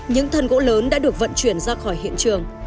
những thân gỗ lớn đã được vận chuyển ra khỏi hiện trường